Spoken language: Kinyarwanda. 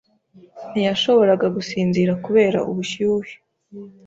Ntiyashoboraga gusinzira kubera ubushyuhe.